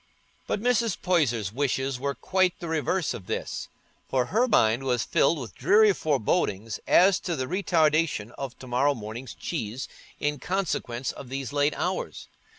But Mrs. Poyser's wishes were quite the reverse of this, for her mind was filled with dreary forebodings as to the retardation of to morrow morning's cheese in consequence of these late hours.